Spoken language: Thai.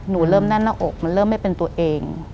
หนูเริ่มแน่นหน้าอกมันเริ่มไม่เป็นตัวเอง